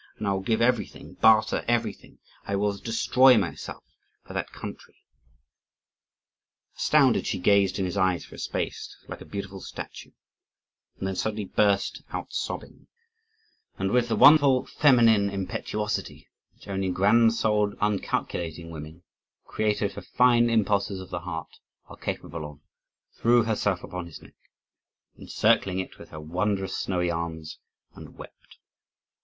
And I will give everything, barter everything, I will destroy myself, for that country!" Astounded, she gazed in his eyes for a space, like a beautiful statue, and then suddenly burst out sobbing; and with the wonderful feminine impetuosity which only grand souled, uncalculating women, created for fine impulses of the heart, are capable of, threw herself upon his neck, encircling it with her wondrous snowy arms, and wept.